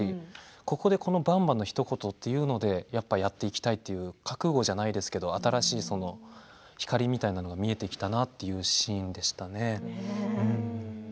ここで、このばんばのひと言っていうのでやっぱ、やっていきたいっていう覚悟じゃないですけど新しいその光みたいなのが見えてきたなっていうシーンでしたね。